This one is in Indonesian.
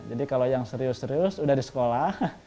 kalau yang serius serius udah di sekolah